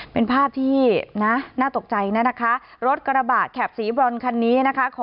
เป็นภาพที่นะน่าตกใจนะนะคะรถกระบะแข็บสีบรอนคันนี้นะคะ